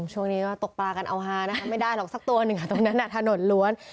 ช่วงนี้ก็ตกปลากันเอาฮานะคะไม่ได้หรอกสักตัวหนึ่งตรงนั้นถนนล้วน